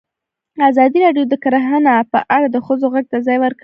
ازادي راډیو د کرهنه په اړه د ښځو غږ ته ځای ورکړی.